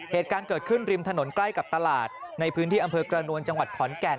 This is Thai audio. เหตุการณ์เกิดขึ้นริมถนนใกล้กับตลาดในพื้นที่อำเภอกระนวลจังหวัดขอนแก่น